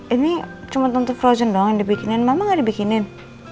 ini cuma tuntut frozen doang yang dibikinin mama nggak dibikinin